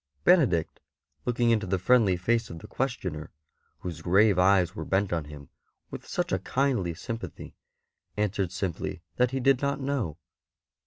Benedict, looking into the friendly face of the questioner, w^hose grave eyes were bent on him with such a kindly sympathy, answered simply that he did not know.